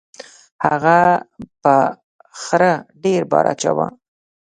هغه په خره ډیر بار اچاوه.